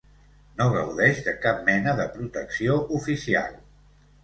No gaudeix de cap mena de protecció oficial.